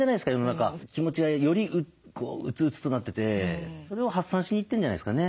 気持ちがより鬱々となっててそれを発散しに行ってんじゃないですかね。